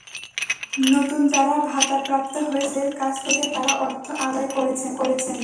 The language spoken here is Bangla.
নতুন যাঁরা ভাতাপ্রাপ্ত হয়েছেন, তাঁদের কাছ থেকে তাঁরা অর্থ আদায় করেছেন।